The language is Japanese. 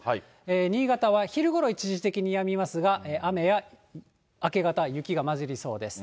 新潟は昼ごろ一時的にやみますが、雨や明け方、雪がまじりそうです。